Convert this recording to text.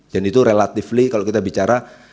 dan itu relatively kalau kita bicara